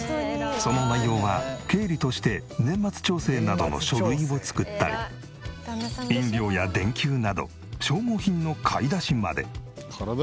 その内容は経理として年末調整などの書類を作ったり飲料や電球など消耗品の買い出しまで。